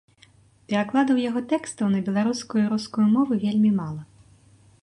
Перакладаў яго тэкстаў на беларускую і рускую мовы вельмі мала.